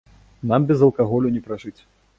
Нам без алкаголю не пражыць.